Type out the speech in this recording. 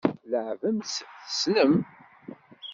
Tleɛɛbem-tt tessnem.